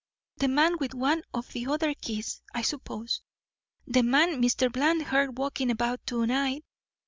The man with one of the other keys, I suppose. The man Mr. Bland heard walking about to night.